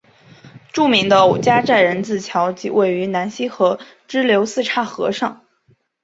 著名的五家寨人字桥即位于南溪河支流四岔河上。